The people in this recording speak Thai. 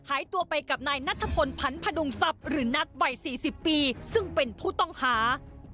หายตัวไปกับนายนัทพลผันพดุงทรัพย์หรือนัทวัย๔๐ปีซึ่งเป็นผู้ต้องหา